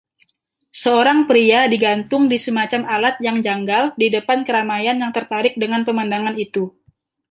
Seorang pria digantung di semacam alat yang janggal di depan keramaian yang tertarik dengan pemandangan itu.